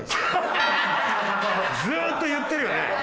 ずっと言ってるよね。